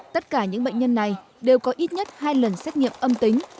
tất cả những bệnh nhân này đều có ít nhất hai lần xét nghiệm âm tính